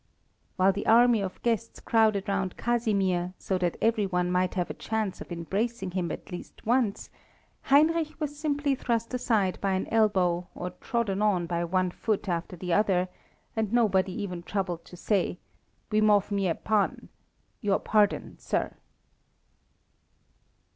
While the army of guests crowded round Casimir, so that every one might have a chance of embracing him at least once, Heinrich was simply thrust aside by an elbow or trodden on by one foot after another, and nobody even troubled to say: "Wymow mie Pán!" [Footnote 18: "Your pardon, sir!"